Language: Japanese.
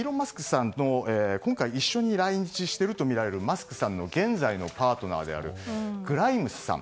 さんと今回一緒に来日しているとみられるマスクさんの現在のパートナーであるグライムスさん。